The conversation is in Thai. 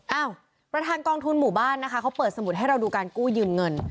ประธานกองทุนหมู่บ้านนะคะเขาเปิดสมุดให้เราดูการกู้ยืมเงิน